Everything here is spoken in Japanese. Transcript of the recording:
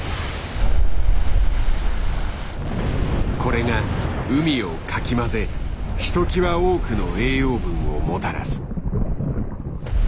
これが海をかき混ぜひときわ多くの栄養分をもたらす。